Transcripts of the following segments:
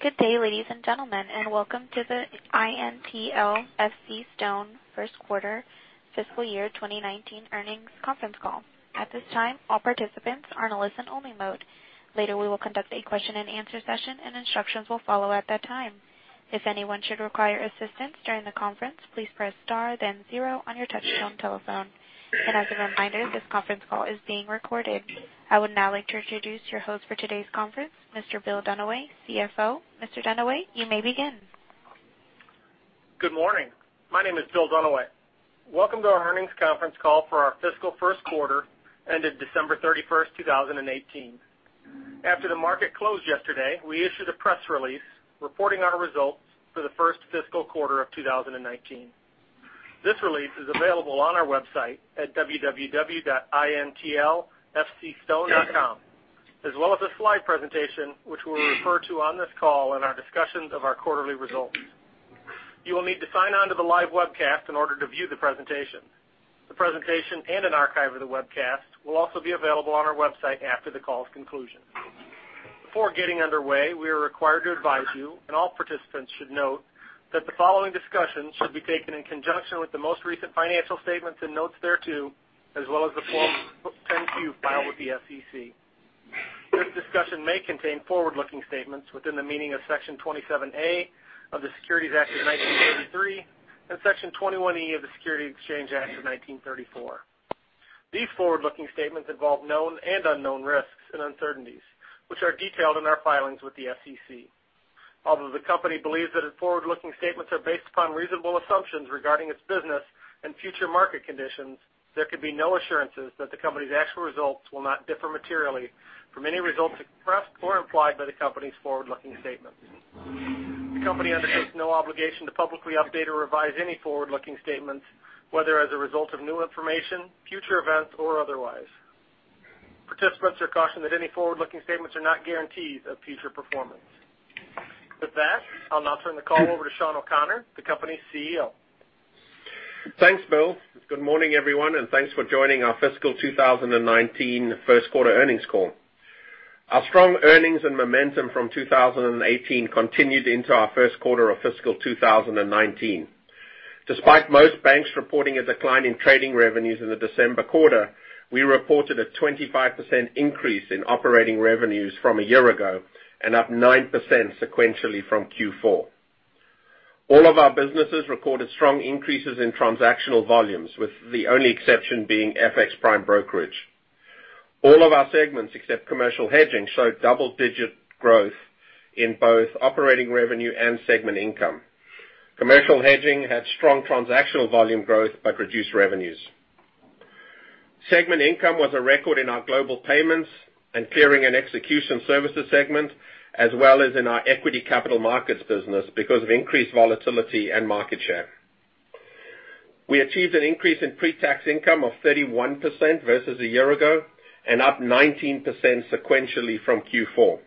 Good day, ladies and gentlemen, welcome to the INTL FCStone first quarter fiscal year 2019 earnings conference call. At this time, all participants are in listen only mode. Later, we will conduct a question and answer session, and instructions will follow at that time. If anyone should require assistance during the conference, please press star then zero on your touchtone telephone. As a reminder, this conference call is being recorded. I would now like to introduce your host for today's conference, Mr. Bill Dunaway, CFO. Mr. Dunaway, you may begin. Good morning. My name is Bill Dunaway. Welcome to our earnings conference call for our fiscal first quarter ended December 31st, 2018. After the market closed yesterday, we issued a press release reporting our results for the first fiscal quarter of 2019. This release is available on our website at www.intlfcstone.com, as well as a slide presentation which we'll refer to on this call in our discussions of our quarterly results. You will need to sign on to the live webcast in order to view the presentation. The presentation and an archive of the webcast will also be available on our website after the call's conclusion. Before getting underway, we are required to advise you, all participants should note, that the following discussion should be taken in conjunction with the most recent financial statements and notes thereto, as well as the Form 10-Q filed with the SEC. This discussion may contain forward-looking statements within the meaning of Section 27A of the Securities Act of 1933 and Section 21E of the Securities Exchange Act of 1934. These forward-looking statements involve known and unknown risks and uncertainties, which are detailed in our filings with the SEC. Although the company believes that its forward-looking statements are based upon reasonable assumptions regarding its business and future market conditions, there can be no assurances that the company's actual results will not differ materially from any results expressed or implied by the company's forward-looking statements. The company undertakes no obligation to publicly update or revise any forward-looking statements, whether as a result of new information, future events, or otherwise. Participants are cautioned that any forward-looking statements are not guarantees of future performance. With that, I'll now turn the call over to Sean O'Connor, the company's CEO. Thanks, Bill. Good morning, everyone, thanks for joining our fiscal 2019 first quarter earnings call. Our strong earnings and momentum from 2018 continued into our first quarter of fiscal 2019. Despite most banks reporting a decline in trading revenues in the December quarter, we reported a 25% increase in operating revenues from a year ago and up 9% sequentially from Q4. All of our businesses recorded strong increases in transactional volumes, with the only exception being FX prime brokerage. All of our segments, except Commercial Hedging, showed double-digit growth in both operating revenue and segment income. Commercial Hedging had strong transactional volume growth but reduced revenues. Segment income was a record in our Global Payments and Clearing and Execution Services segment, as well as in our equity capital markets business because of increased volatility and market share. We achieved an increase in pre-tax income of 31% versus a year ago and up 19% sequentially from Q4.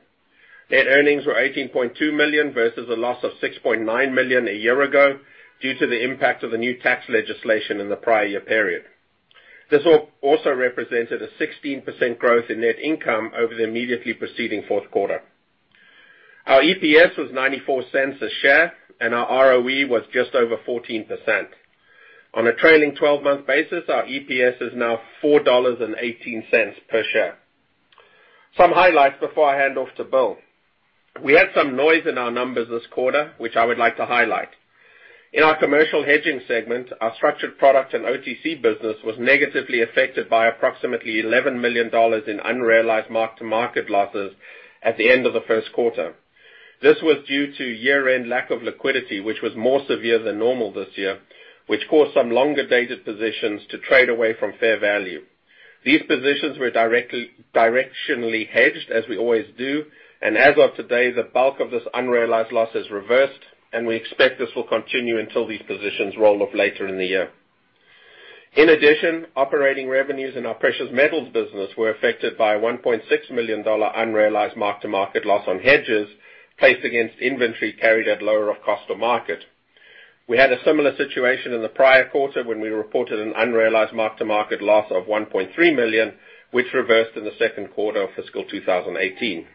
Net earnings were $18.2 million versus a loss of $6.9 million a year ago due to the impact of the new tax legislation in the prior year period. This also represented a 16% growth in net income over the immediately preceding fourth quarter. Our EPS was $0.94 a share, and our ROE was just over 14%. On a trailing 12-month basis, our EPS is now $4.18 per share. Some highlights before I hand off to Bill. We had some noise in our numbers this quarter, which I would like to highlight. In our Commercial Hedging segment, our structured product and OTC business was negatively affected by approximately $11 million in unrealized mark-to-market losses at the end of the first quarter. This was due to year-end lack of liquidity, which was more severe than normal this year, which caused some longer-dated positions to trade away from fair value. These positions were directionally hedged, as we always do, and as of today, the bulk of this unrealized loss has reversed, and we expect this will continue until these positions roll off later in the year. In addition, operating revenues in our precious metals business were affected by a $1.6 million unrealized mark-to-market loss on hedges placed against inventory carried at lower of cost or market. We had a similar situation in the prior quarter when we reported an unrealized mark-to-market loss of $1.3 million, which reversed in the second quarter of fiscal 2018.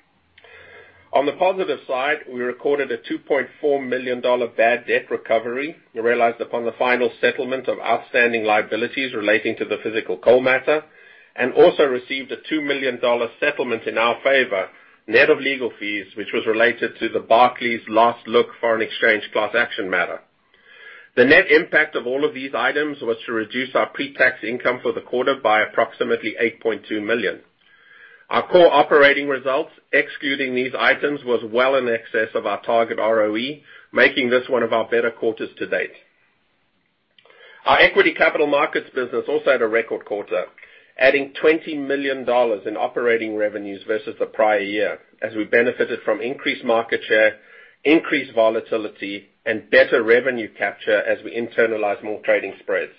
On the positive side, we recorded a $2.4 million bad debt recovery. We realized upon the final settlement of outstanding liabilities relating to the physical coal matter and also received a $2 million settlement in our favor, net of legal fees, which was related to the Barclays last look foreign exchange class action matter. The net impact of all of these items was to reduce our pre-tax income for the quarter by approximately $8.2 million. Our core operating results, excluding these items, was well in excess of our target ROE, making this one of our better quarters to date. Our equity capital markets business also had a record quarter, adding $20 million in operating revenues versus the prior year as we benefited from increased market share, increased volatility, and better revenue capture as we internalized more trading spreads.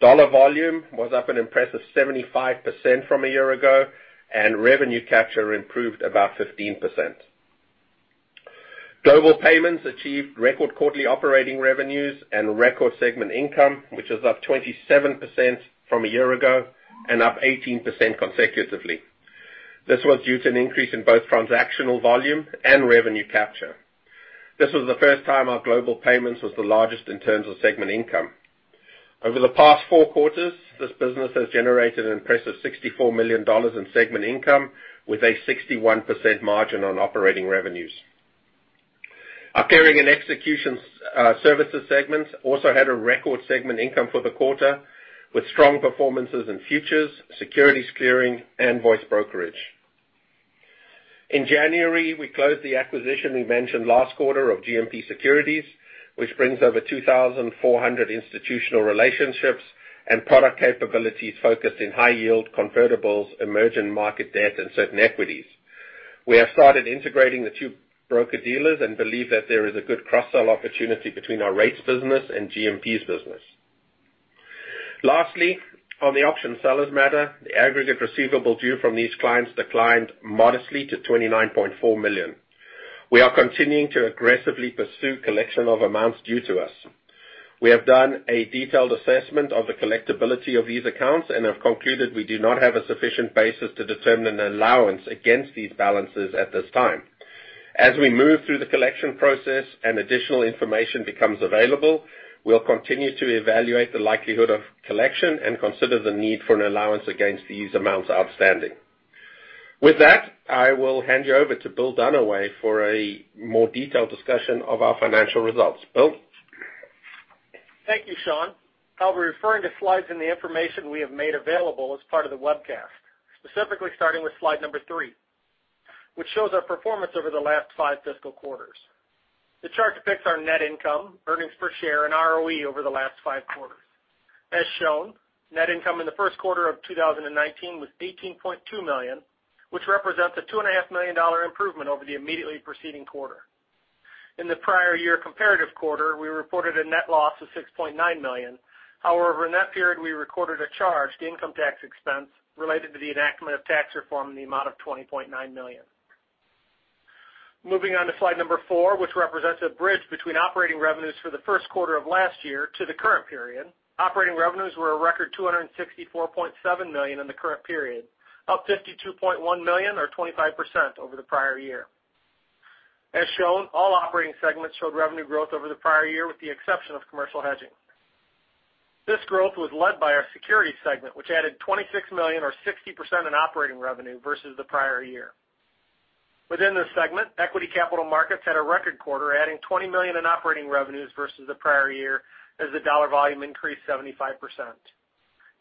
Dollar volume was up an impressive 75% from a year ago, and revenue capture improved about 15%. Global Payments achieved record quarterly operating revenues and record segment income, which was up 27% from a year ago and up 18% consecutively. This was due to an increase in both transactional volume and revenue capture. This was the first time our Global Payments was the largest in terms of segment income. Over the past four quarters, this business has generated an impressive $64 million in segment income with a 61% margin on operating revenues. Our clearing and execution services segments also had a record segment income for the quarter, with strong performances in futures, securities clearing, and voice brokerage. In January, we closed the acquisition we mentioned last quarter of GMP Securities, which brings over 2,400 institutional relationships and product capabilities focused in high yield convertibles, emerging market debt and certain equities. We have started integrating the two broker-dealers and believe that there is a good cross-sell opportunity between our rates business and GMP's business. Lastly, on the option sellers matter, the aggregate receivable due from these clients declined modestly to $29.4 million. We are continuing to aggressively pursue collection of amounts due to us. We have done a detailed assessment of the collectibility of these accounts and have concluded we do not have a sufficient basis to determine an allowance against these balances at this time. As we move through the collection process and additional information becomes available, we'll continue to evaluate the likelihood of collection and consider the need for an allowance against these amounts outstanding. With that, I will hand you over to Bill Dunaway for a more detailed discussion of our financial results. Bill? Thank you, Sean. I'll be referring to slides and the information we have made available as part of the webcast, specifically starting with slide number three, which shows our performance over the last five fiscal quarters. The chart depicts our net income, earnings per share and ROE over the last five quarters. As shown, net income in the first quarter of 2019 was $18.2 million, which represents a $2.5 million improvement over the immediately preceding quarter. In the prior year comparative quarter, we reported a net loss of $6.9 million. In that period, we recorded a charge to income tax expense related to the enactment of tax reform in the amount of $20.9 million. Moving on to slide number four, which represents a bridge between operating revenues for the first quarter of last year to the current period. Operating revenues were a record $264.7 million in the current period, up $52.1 million or 25% over the prior year. As shown, all operating segments showed revenue growth over the prior year, with the exception of Commercial Hedging. This growth was led by our Securities segment, which added $26 million or 60% in operating revenue versus the prior year. Within this segment, equity capital markets had a record quarter, adding $20 million in operating revenues versus the prior year as the dollar volume increased 75%.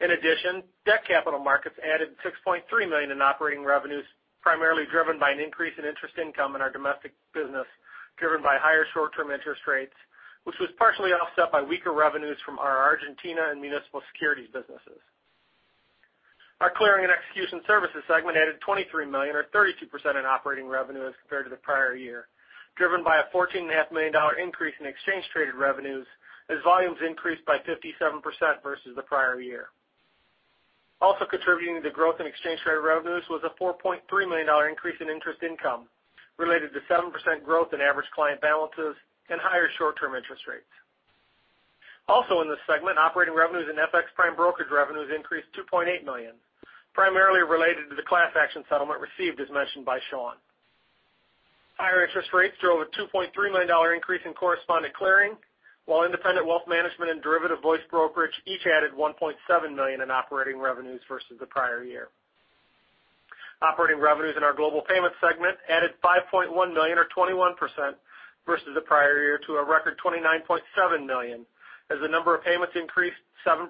In addition, debt capital markets added $6.3 million in operating revenues, primarily driven by an increase in interest income in our domestic business, driven by higher short-term interest rates, which was partially offset by weaker revenues from our Argentina and municipal securities businesses. Our Clearing and Execution Services segment added $23 million or 32% in operating revenue as compared to the prior year, driven by a $14.5 million increase in exchange traded revenues as volumes increased by 57% versus the prior year. Contributing to growth in exchange trade revenues was a $4.3 million increase in interest income related to 7% growth in average client balances and higher short-term interest rates. In this segment, operating revenues and FX prime brokerage revenues increased $2.8 million, primarily related to the class action settlement received as mentioned by Sean. Higher interest rates drove a $2.3 million increase in correspondent clearing, while independent wealth management and derivative voice brokerage each added $1.7 million in operating revenues versus the prior year. Operating revenues in our Global Payments segment added $5.1 million or 21% versus the prior year to a record $29.7 million as the number of payments increased 7%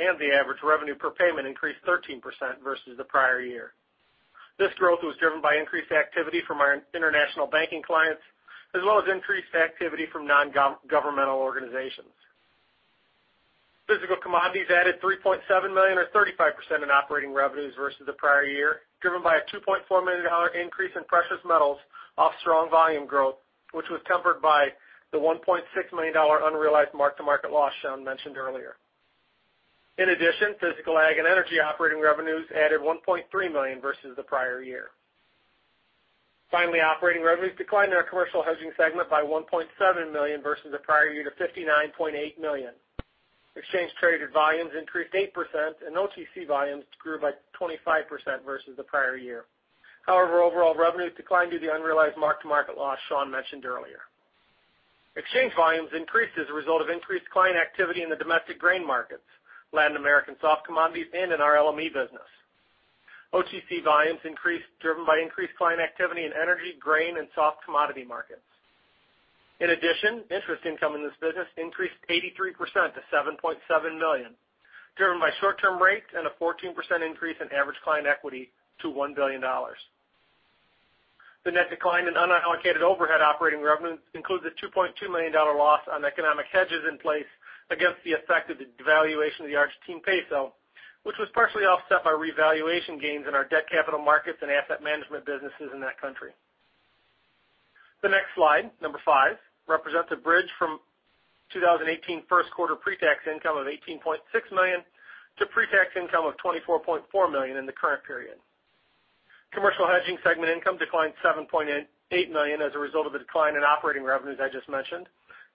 and the average revenue per payment increased 13% versus the prior year. This growth was driven by increased activity from our international banking clients, as well as increased activity from non-governmental organizations. Physical commodities added $3.7 million or 35% in operating revenues versus the prior year, driven by a $2.4 million increase in precious metals off strong volume growth, which was tempered by the $1.6 million unrealized mark-to-market loss Sean mentioned earlier. In addition, physical ag and energy operating revenues added $1.3 million versus the prior year. Finally, operating revenues declined in our Commercial Hedging segment by $1.7 million versus the prior year to $59.8 million. Exchange traded volumes increased 8% and OTC volumes grew by 25% versus the prior year. Overall revenues declined due to the unrealized mark-to-market loss Sean mentioned earlier. Exchange volumes increased as a result of increased client activity in the domestic grain markets, Latin American soft commodities, and in our LME business. OTC volumes increased, driven by increased client activity in energy, grain, and soft commodity markets. In addition, interest income in this business increased 83% to $7.7 million, driven by short-term rates and a 14% increase in average client equity to $1 billion. The net decline in unallocated overhead operating revenues includes a $2.2 million loss on economic hedges in place against the effect of the devaluation of the Argentine peso, which was partially offset by revaluation gains in our debt capital markets and asset management businesses in that country. The next slide, number five, represents a bridge from 2018 first quarter pre-tax income of $18.6 million to pre-tax income of $24.4 million in the current period. Commercial Hedging segment income declined $7.8 million as a result of the decline in operating revenues I just mentioned,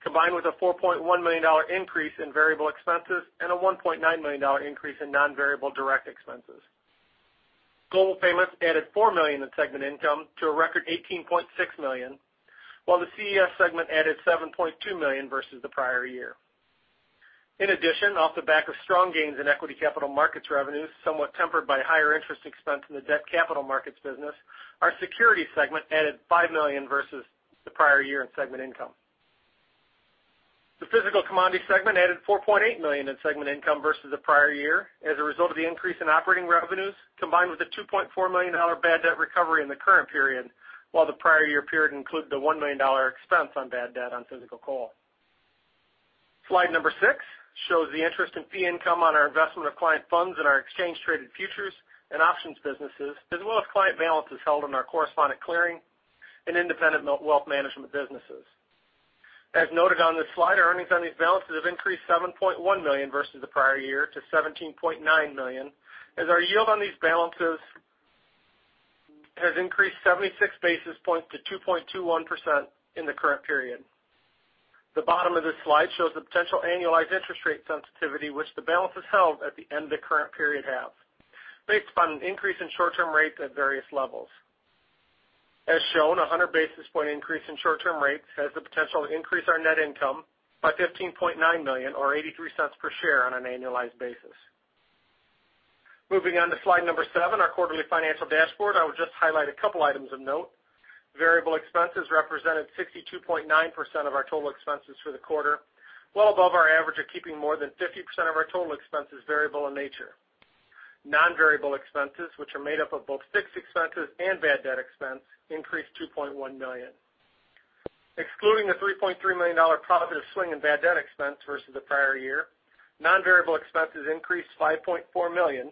combined with a $4.1 million increase in variable expenses and a $1.9 million increase in non-variable direct expenses. Global Payments added $4 million in segment income to a record $18.6 million, while the CES segment added $7.2 million versus the prior year. In addition, off the back of strong gains in equity capital markets revenues, somewhat tempered by higher interest expense in the debt capital markets business, our Security segment added $5 million versus the prior year in segment income. The Physical Commodity segment added $4.8 million in segment income versus the prior year as a result of the increase in operating revenues, combined with a $2.4 million bad debt recovery in the current period, while the prior year period included a $1 million expense on bad debt on physical coal. Slide number six shows the interest in fee income on our investment of client funds in our exchange traded futures and options businesses, as well as client balances held in our correspondent clearing and independent wealth management businesses. As noted on this slide, our earnings on these balances have increased $7.1 million versus the prior year to $17.9 million, as our yield on these balances has increased 76 basis points to 2.21% in the current period. The bottom of this slide shows the potential annualized interest rate sensitivity, which the balances held at the end of the current period have, based upon an increase in short-term rates at various levels. As shown, a 100-basis point increase in short-term rates has the potential to increase our net income by $15.9 million or $0.83 per share on an annualized basis. Moving on to slide number seven, our quarterly financial dashboard, I will just highlight a couple items of note. Variable expenses represented 62.9% of our total expenses for the quarter, well above our average of keeping more than 50% of our total expenses variable in nature. Non-variable expenses, which are made up of both fixed expenses and bad debt expense, increased to $2.1 million. Excluding the $3.3 million positive swing in bad debt expense versus the prior year, non-variable expenses increased $5.4 million,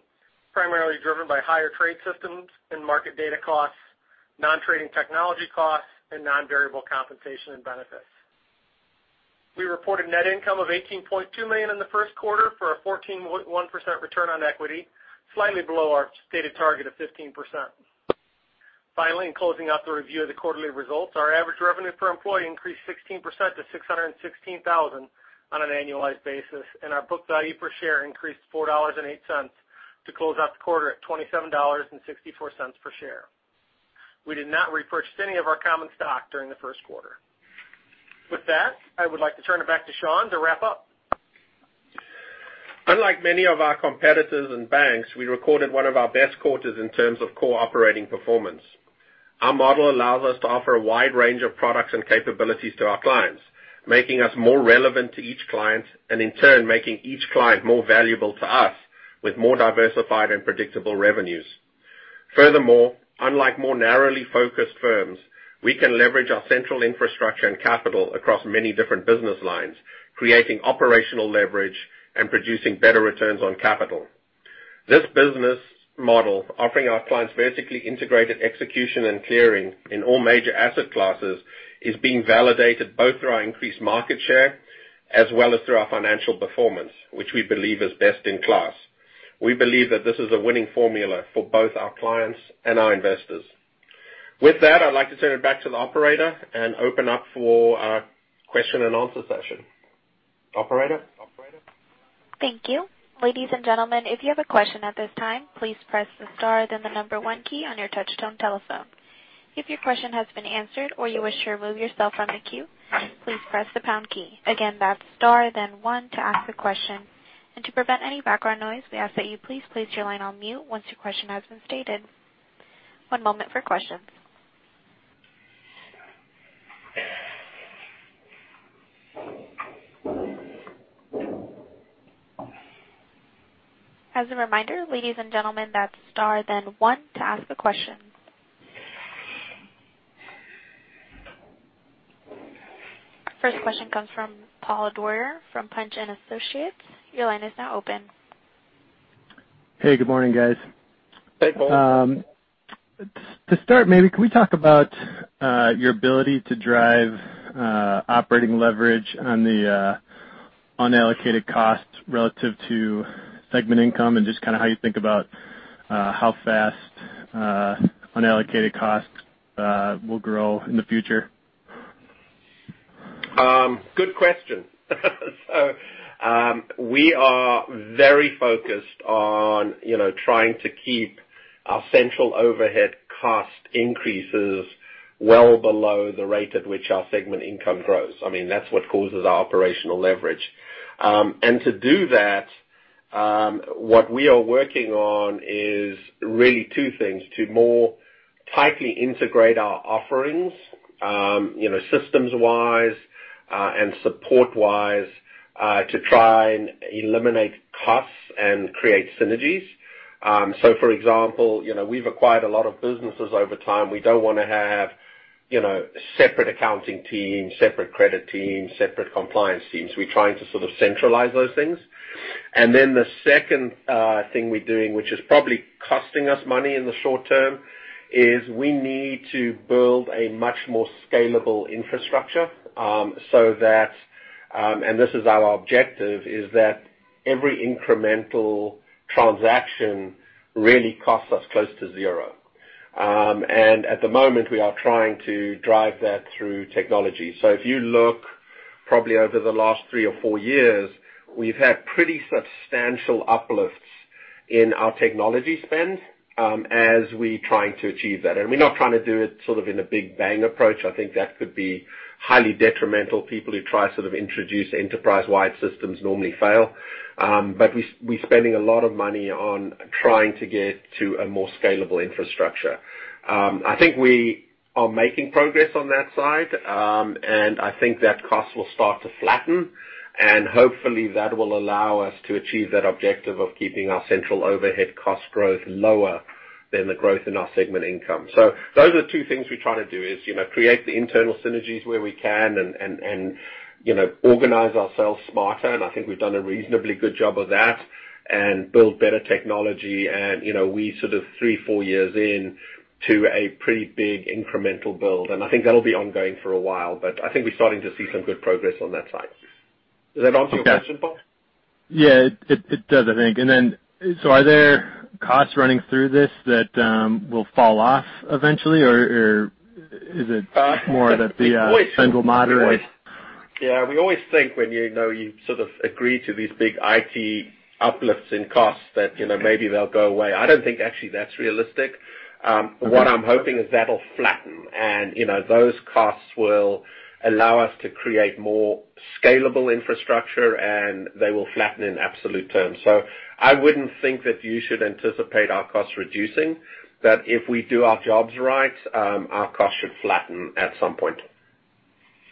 primarily driven by higher trade systems and market data costs, non-trading technology costs, and non-variable compensation and benefits. We reported net income of $18.2 million in the first quarter for a 14.1% return on equity, slightly below our stated target of 15%. Finally, in closing out the review of the quarterly results, our average revenue per employee increased 16% to $616,000 on an annualized basis, and our book value per share increased to $4.08 to close out the quarter at $27.64 per share. We did not repurchase any of our common stock during the first quarter. With that, I would like to turn it back to Sean to wrap up. Unlike many of our competitors and banks, we recorded one of our best quarters in terms of core operating performance. Our model allows us to offer a wide range of products and capabilities to our clients, making us more relevant to each client and in turn, making each client more valuable to us with more diversified and predictable revenues. Furthermore, unlike more narrowly focused firms, we can leverage our central infrastructure and capital across many different business lines, creating operational leverage and producing better returns on capital. This business model, offering our clients vertically integrated execution and clearing in all major asset classes, is being validated both through our increased market share as well as through our financial performance, which we believe is best in class. We believe that this is a winning formula for both our clients and our investors. With that, I'd like to turn it back to the operator and open up for our question and answer session. Operator? Thank you. Ladies and gentlemen, if you have a question at this time, please press the star then the number one key on your touch-tone telephone. If your question has been answered or you wish to remove yourself from the queue, please press the pound key. Again, that's star then one to ask a question. To prevent any background noise, we ask that you please place your line on mute once your question has been stated. One moment for questions. As a reminder, ladies and gentlemen, that's star then one to ask a question. First question comes from Paul Dwyer from Punch & Associates. Your line is now open. Hey, good morning, guys. Hey, Paul. To start, maybe can we talk about your ability to drive operating leverage on the unallocated costs relative to segment income and just how you think about how fast unallocated costs will grow in the future? Good question. We are very focused on trying to keep our central overhead cost increases well below the rate at which our segment income grows. That's what causes our operational leverage. To do that, what we are working on is really two things. To more tightly integrate our offerings, systems-wise, and support-wise, to try and eliminate costs and create synergies. For example, we've acquired a lot of businesses over time. We don't want to have separate accounting teams, separate credit teams, separate compliance teams. We're trying to centralize those things. The second thing we're doing, which is probably costing us money in the short term, is we need to build a much more scalable infrastructure. This is our objective, is that every incremental transaction really costs us close to zero. At the moment, we are trying to drive that through technology. If you look probably over the last three or four years, we've had pretty substantial uplifts in our technology spend as we try to achieve that. We're not trying to do it in a big bang approach. I think that could be highly detrimental. People who try to introduce enterprise-wide systems normally fail. We're spending a lot of money on trying to get to a more scalable infrastructure. I think we are making progress on that side, I think that cost will start to flatten, hopefully that will allow us to achieve that objective of keeping our central overhead cost growth lower than the growth in our segment income. Those are the two things we try to do is, create the internal synergies where we can and organize ourselves smarter. I think we've done a reasonably good job of that and build better technology. We're sort of three, four years in to a pretty big incremental build, I think that'll be ongoing for a while. I think we're starting to see some good progress on that side. Does that answer your question, Paul? Yeah, it does, I think. Are there costs running through this that will fall off eventually, or is it more that the spend will moderate? Yeah. We always think when you sort of agree to these big IT uplifts in costs that maybe they'll go away. I don't think actually that's realistic. What I'm hoping is that'll flatten and those costs will allow us to create more scalable infrastructure, and they will flatten in absolute terms. I wouldn't think that you should anticipate our costs reducing. If we do our jobs right, our costs should flatten at some point.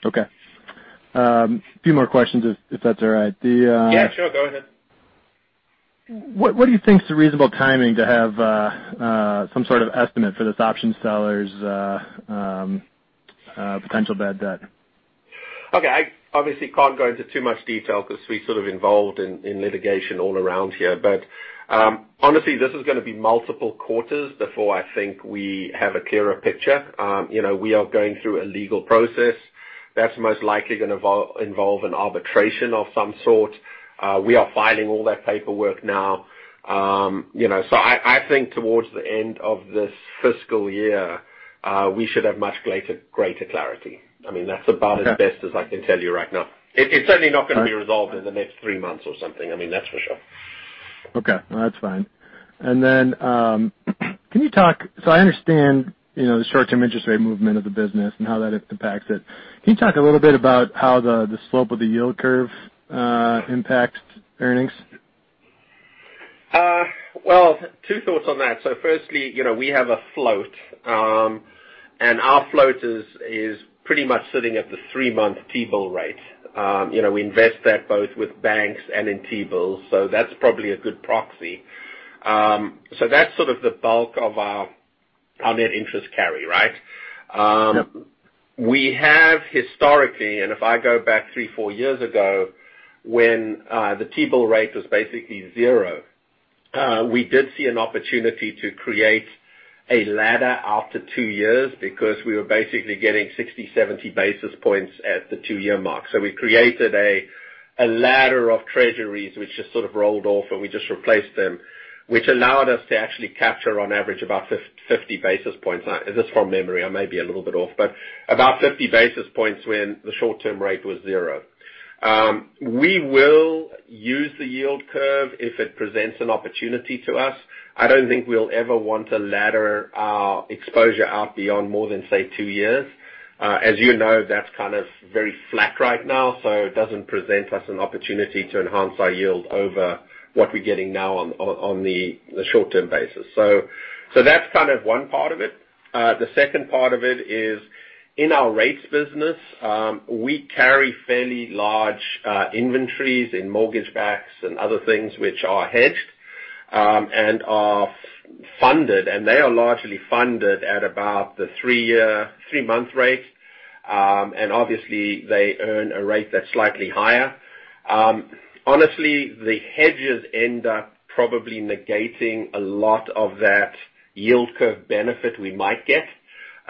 Okay. A few more questions, if that's all right. Yeah, sure. Go ahead. What do you think is a reasonable timing to have some sort of estimate for this option sellers potential bad debt? Okay. I obviously can't go into too much detail because we're sort of involved in litigation all around here. Honestly, this is going to be multiple quarters before I think we have a clearer picture. We are going through a legal process. That's most likely going to involve an arbitration of some sort. We are filing all that paperwork now. I think towards the end of this fiscal year, we should have much greater clarity. That's about as best as I can tell you right now. It's certainly not going to be resolved in the next three months or something. That's for sure. Okay. No, that's fine. I understand the short-term interest rate movement of the business and how that impacts it. Can you talk a little bit about how the slope of the yield curve impacts earnings? Well, two thoughts on that. Firstly, we have a float. Our float is pretty much sitting at the three-month T-bill rate. We invest that both with banks and in T-bills, that's probably a good proxy. That's sort of the bulk of our net interest carry, right? Yep. We have historically, and if I go back three, four years ago when the T-bill rate was basically zero, we did see an opportunity to create a ladder after two years because we were basically getting 60 basis points, 70 basis points at the two-year mark. We created a ladder of treasuries, which just sort of rolled off, and we just replaced them, which allowed us to actually capture, on average, about 50 basis points. This is from memory, I may be a little bit off. About 50 basis points when the short-term rate was zero. We will use the yield curve if it presents an opportunity to us. I don't think we'll ever want to ladder our exposure out beyond more than, say, two years. As you know, that's kind of very flat right now, so it doesn't present us an opportunity to enhance our yield over what we're getting now on the short-term basis. That's one part of it. The second part of it is in our rates business, we carry fairly large inventories in mortgage backs and other things which are hedged and are funded. They are largely funded at about the three-month rate. Obviously, they earn a rate that's slightly higher. Honestly, the hedges end up probably negating a lot of that yield curve benefit we might get.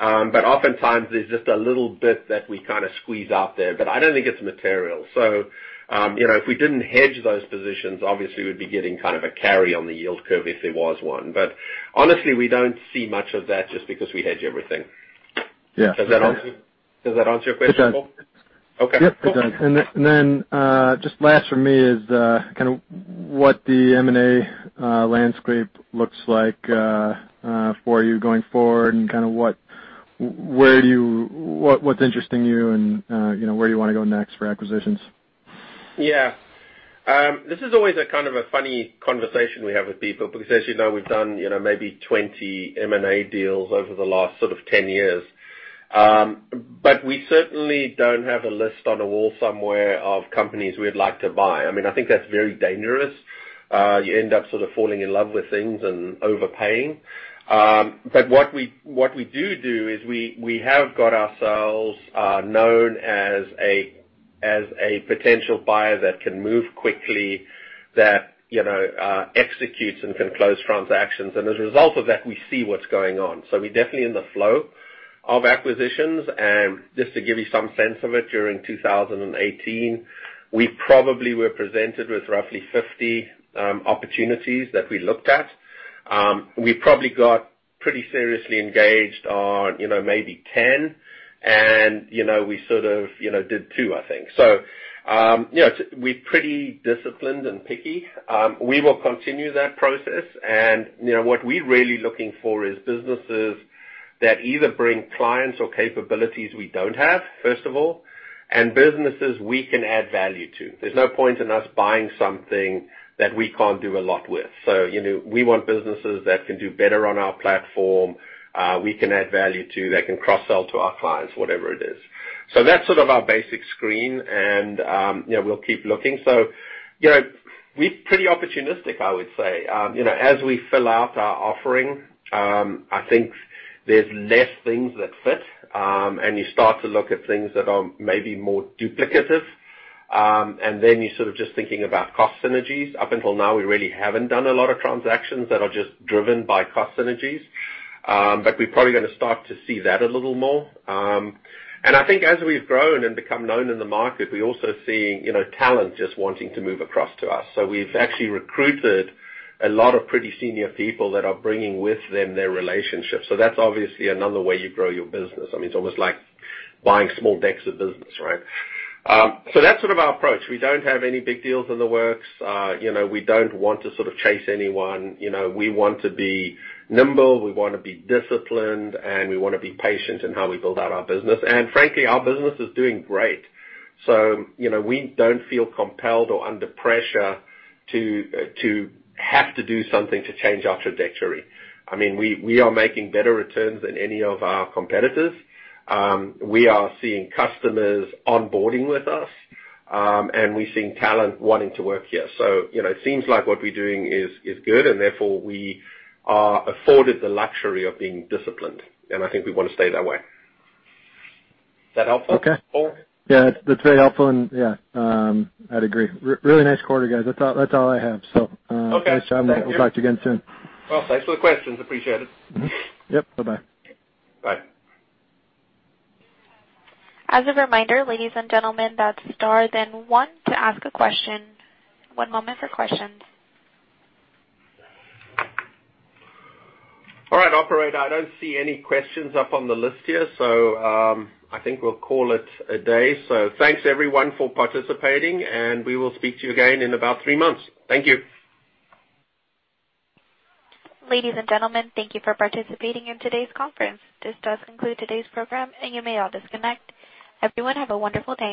Oftentimes there's just a little bit that we kind of squeeze out there, but I don't think it's material. If we didn't hedge those positions, obviously we'd be getting kind of a carry on the yield curve if there was one. Honestly, we don't see much of that just because we hedge everything. Yeah. Does that answer your question, Paul? It does. Okay, cool. Yep, it does. Then, just last from me is kind of what the M&A landscape looks like for you going forward and what's interesting you and where you want to go next for acquisitions? Yeah. This is always a kind of a funny conversation we have with people because as you know, we've done maybe 20 M&A deals over the last 10 years. We certainly don't have a list on a wall somewhere of companies we'd like to buy. I think that's very dangerous. You end up sort of falling in love with things and overpaying. What we do do is we have got ourselves known as a potential buyer that can move quickly, that executes and can close transactions. As a result of that, we see what's going on. We're definitely in the flow of acquisitions. Just to give you some sense of it, during 2018, we probably were presented with roughly 50 opportunities that we looked at. We probably got pretty seriously engaged on maybe 10, and we sort of did two, I think. We're pretty disciplined and picky. We will continue that process. What we're really looking for is businesses that either bring clients or capabilities we don't have, first of all, and businesses we can add value to. There's no point in us buying something that we can't do a lot with. We want businesses that can do better on our platform, we can add value to, that can cross-sell to our clients, whatever it is. That's sort of our basic screen, and we'll keep looking. We're pretty opportunistic, I would say. As we fill out our offering, I think there's less things that fit, and you start to look at things that are maybe more duplicative, then you're sort of just thinking about cost synergies. Up until now, we really haven't done a lot of transactions that are just driven by cost synergies. We're probably going to start to see that a little more. I think as we've grown and become known in the market, we're also seeing talent just wanting to move across to us. We've actually recruited a lot of pretty senior people that are bringing with them their relationships. That's obviously another way you grow your business. I mean, it's almost like buying small bits of business, right? That's sort of our approach. We don't have any big deals in the works. We don't want to sort of chase anyone. We want to be nimble, we want to be disciplined, and we want to be patient in how we build out our business. Frankly, our business is doing great. We don't feel compelled or under pressure to have to do something to change our trajectory. I mean, we are making better returns than any of our competitors. We are seeing customers onboarding with us, and we're seeing talent wanting to work here. It seems like what we're doing is good, and therefore, we are afforded the luxury of being disciplined, and I think we want to stay that way. Does that help though? Okay. Yeah, that's very helpful, and, yeah, I'd agree. Really nice quarter, guys. That's all I have. Okay. Thank you ...nice chatting. We'll talk to you again soon. Well, thanks for the questions. Appreciate it. Mm-hmm. Yep. Bye-bye. Bye. As a reminder, ladies and gentlemen, that's star then one to ask a question. One moment for questions. All right, operator, I don't see any questions up on the list here. I think we'll call it a day. Thanks, everyone, for participating, and we will speak to you again in about three months. Thank you. Ladies and gentlemen, thank you for participating in today's conference. This does conclude today's program, and you may all disconnect. Everyone, have a wonderful day.